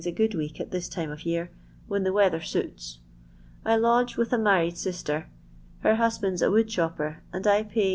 a good week at this time of year, when sather suits. I lodge with a married sister; laband 's a wood chopper, and I pay 1«.